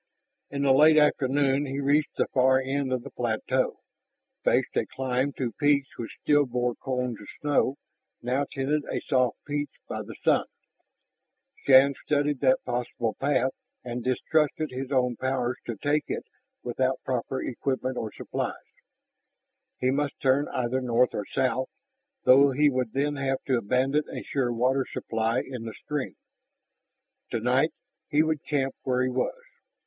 In the late afternoon he reached the far end of the plateau, faced a climb to peaks which still bore cones of snow, now tinted a soft peach by the sun. Shann studied that possible path and distrusted his own powers to take it without proper equipment or supplies. He must turn either north or south, though he would then have to abandon a sure water supply in the stream. Tonight he would camp where he was.